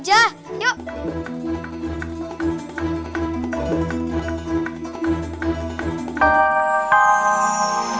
tidak ada yang bisa diinginkan